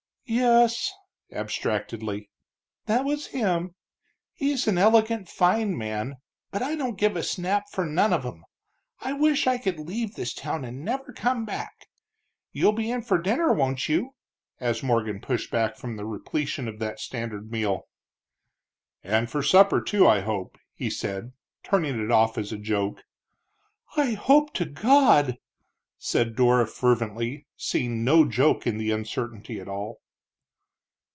"Yes," abstractedly, "that was him. He's an elegant fine man, but I don't give a snap for none of 'em. I wish I could leave this town and never come back. You'll be in for dinner, won't you?" as Morgan pushed back from the repletion of that standard meal. "And for supper, too, I hope," he said, turning it off as a joke. "I hope to God!" said Dora fervently, seeing no joke in the uncertainty at all.